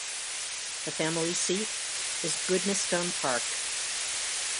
The family seat is Goodnestone Park.